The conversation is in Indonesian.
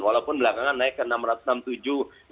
walaupun belakangan naik ke rp enam ratus enam puluh tujuh